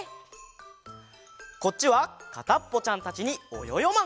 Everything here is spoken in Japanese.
こっちはかたっぽちゃんたちにおよよマン！